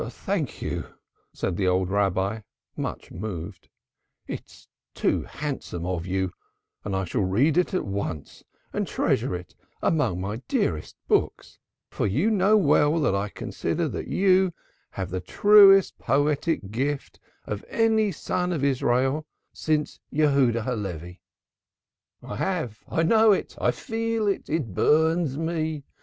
"Thank you," said the old Rabbi, much moved. "It is too handsome of you, and I shall read it at once and treasure it amongst my dearest books, for you know well that I consider that you have the truest poetic gift of any son of Israel since Jehuda Halevi." "I have! I know it! I feel it! It burns me.